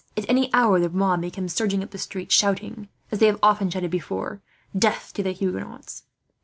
At any hour the mob may come surging up the streets, shouting, as they have often shouted before, 'Death to the Huguenots!'